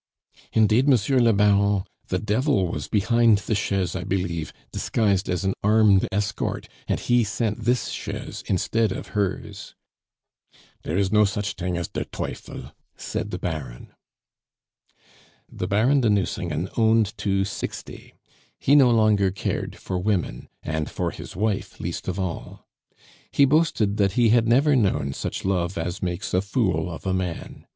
"Indeed, Monsieur le Baron, the devil was behind the chaise, I believe, disguised as an armed escort, and he sent this chaise instead of hers." "Dere is no such ting as de Teufel," said the Baron. The Baron de Nucingen owned to sixty; he no longer cared for women, and for his wife least of all. He boasted that he had never known such love as makes a fool of a man.